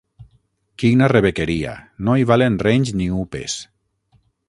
Quina rebequeria: no hi valen renys ni upes.